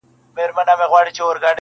لا به تر کله دا لمبې بلېږي،